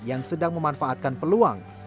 yang sedang memanfaatkan peluang